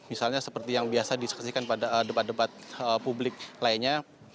misalnya seperti yang biasa diskusikan pada debat debat publik lainnya